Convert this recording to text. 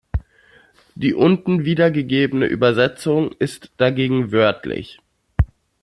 Die unten wiedergegebene Übersetzung ist dagegen wörtlich.